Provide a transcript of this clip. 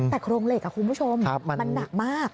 แต่โครงเหล็กคุณผู้ชมมันหนักมาก